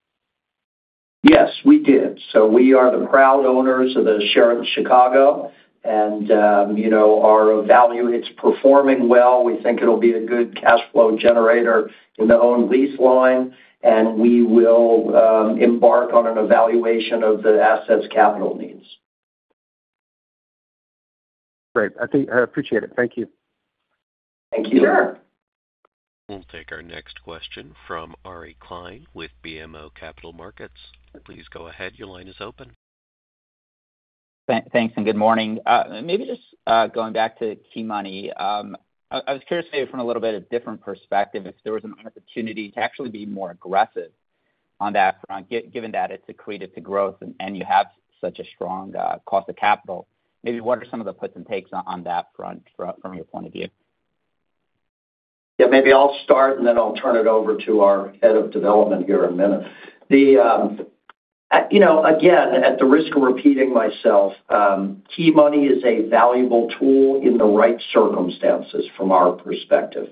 Yes, we did. So we are the proud owners of the Sheraton Chicago. And our asset, it's performing well. We think it'll be a good cash flow generator in the owned and leased line. And we will embark on an evaluation of the assets' capital needs. Great. I appreciate it. Thank you. Thank you. Sure. We'll take our next question from Ari Klein with BMO Capital Markets. Please go ahead. Your line is open. Thanks. And good morning. Maybe just going back to key money, I was curious maybe from a little bit of a different perspective, if there was an opportunity to actually be more aggressive on that front, given that it's equated to growth and you have such a strong cost of capital. Maybe what are some of the puts and takes on that front from your point of view? Yeah. Maybe I'll start, and then I'll turn it over to our head of development here in a minute. Again, at the risk of repeating myself, key money is a valuable tool in the right circumstances from our perspective.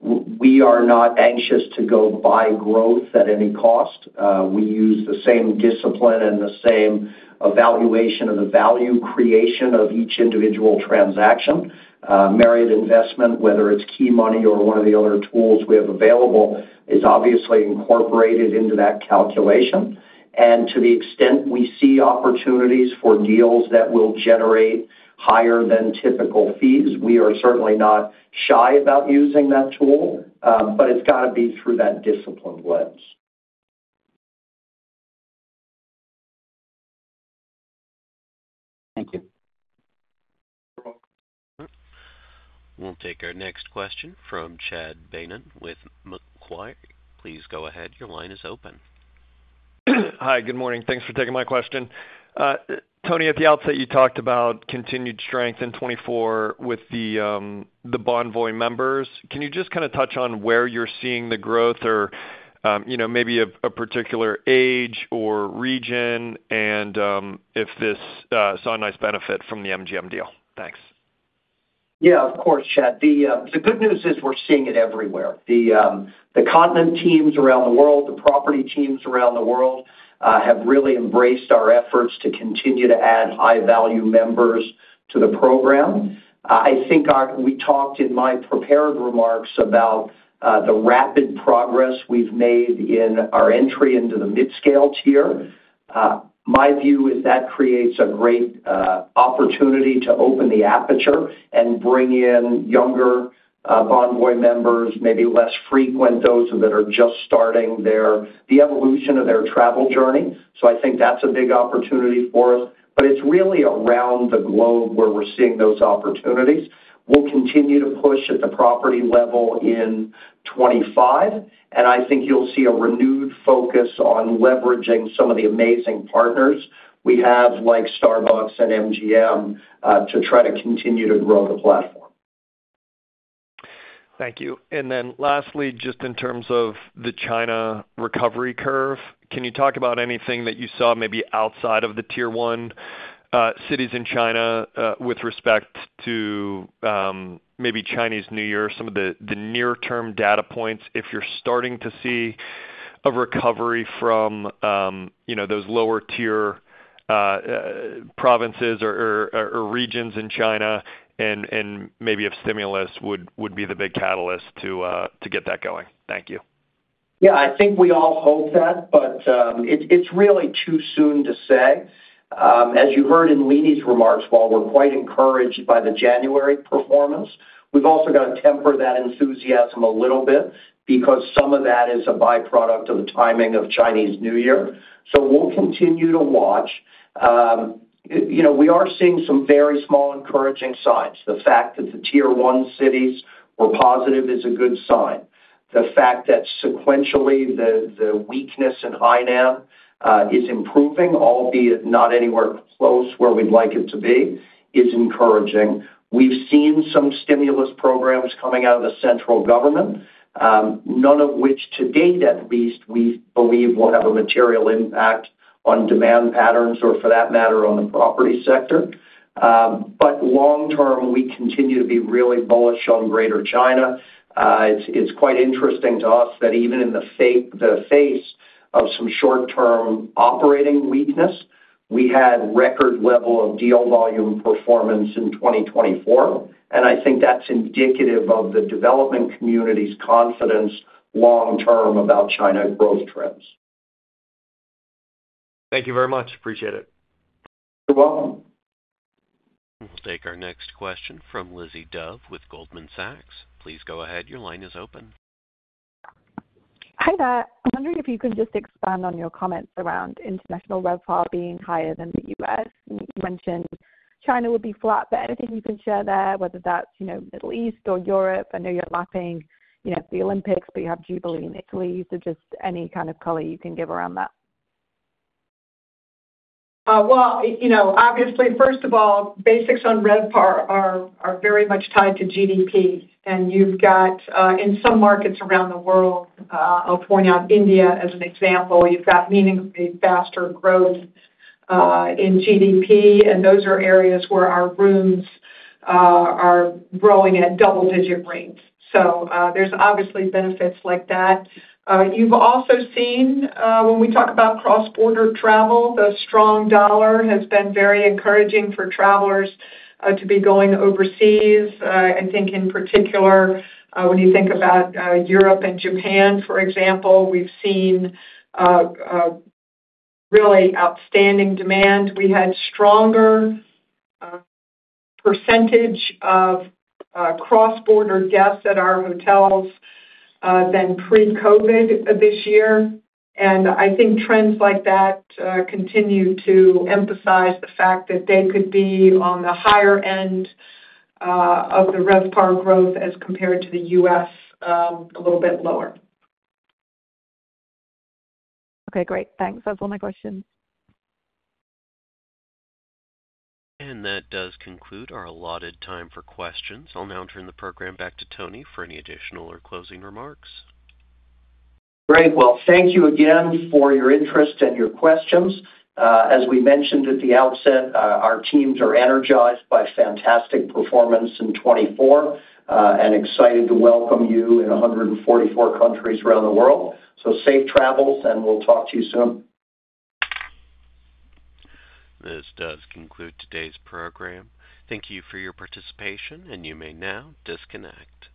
We are not anxious to go buy growth at any cost. We use the same discipline and the same evaluation of the value creation of each individual transaction. Marriott investment, whether it's key money or one of the other tools we have available, is obviously incorporated into that calculation. And to the extent we see opportunities for deals that will generate higher than typical fees, we are certainly not shy about using that tool. But it's got to be through that discipline lens. Thank you. You're welcome. We'll take our next question from Chad Beynon with Macquarie. Please go ahead. Your line is open. Hi. Good morning. Thanks for taking my question. Tony, at the outset, you talked about continued strength in 2024 with the Bonvoy members. Can you just kind of touch on where you're seeing the growth or maybe a particular age or region and if this saw a nice benefit from the MGM deal? Thanks. Yeah, of course, Chad. The good news is we're seeing it everywhere. The continent teams around the world, the property teams around the world have really embraced our efforts to continue to add high-value members to the program. I think we talked in my prepared remarks about the rapid progress we've made in our entry into the mid-scale tier. My view is that creates a great opportunity to open the aperture and bring in younger Bonvoy members, maybe less frequent, those that are just starting the evolution of their travel journey. So I think that's a big opportunity for us. But it's really around the globe where we're seeing those opportunities. We'll continue to push at the property level in 2025. And I think you'll see a renewed focus on leveraging some of the amazing partners we have, like Starbucks and MGM, to try to continue to grow the platform. Thank you. And then lastly, just in terms of the China recovery curve, can you talk about anything that you saw maybe outside of the tier one cities in China with respect to maybe Chinese New Year, some of the near-term data points if you're starting to see a recovery from those lower-tier provinces or regions in China and maybe if stimulus would be the big catalyst to get that going? Thank you. Yeah. I think we all hope that, but it's really too soon to say. As you heard in Leeny's remarks, while we're quite encouraged by the January performance, we've also got to temper that enthusiasm a little bit because some of that is a byproduct of the timing of Chinese New Year. So we'll continue to watch. We are seeing some very small encouraging signs. The fact that the tier one cities were positive is a good sign. The fact that sequentially the weakness in Hainan is improving, albeit not anywhere close where we'd like it to be, is encouraging. We've seen some stimulus programs coming out of the central government, none of which, to date at least, we believe will have a material impact on demand patterns or for that matter on the property sector. But long term, we continue to be really bullish on Greater China. It's quite interesting to us that even in the face of some short-term operating weakness, we had record level of deal volume performance in 2024. And I think that's indicative of the development community's confidence long term about China growth trends. Thank you very much. Appreciate it. You're welcome. We'll take our next question from Lizzie Dove with Goldman Sachs. Please go ahead. Your line is open. Hi, there. I'm wondering if you can just expand on your comments around international RevPAR being higher than the U.S. You mentioned China would be flat, but anything you can share there, whether that's Middle East or Europe. I know you're lapping the Olympics, but you have Jubilee in Italy. So just any kind of color you can give around that. Well, obviously, first of all, basics on RevPAR are very much tied to GDP. And you've got in some markets around the world, I'll point out India as an example, you've got meaningfully faster growth in GDP. And those are areas where our rooms are growing at double-digit rates. So there's obviously benefits like that. You've also seen when we talk about cross-border travel, the strong dollar has been very encouraging for travelers to be going overseas. I think in particular, when you think about Europe and Japan, for example, we've seen really outstanding demand. We had a stronger percentage of cross-border guests at our hotels than pre-COVID this year. And I think trends like that continue to emphasize the fact that they could be on the higher end of the RevPAR growth as compared to the U.S., a little bit lower. Okay. Great. Thanks. That's all my questions. That does conclude our allotted time for questions. I'll now turn the program back to Tony for any additional or closing remarks. Great. Well, thank you again for your interest and your questions. As we mentioned at the outset, our teams are energized by fantastic performance in 2024 and excited to welcome you in 144 countries around the world. So safe travels, and we'll talk to you soon. This does conclude today's program. Thank you for your participation, and you may now disconnect.